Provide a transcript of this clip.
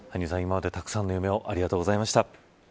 今までたくさんの夢をありがとうございました。